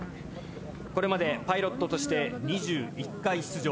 これまでパイロットとして２１回出場。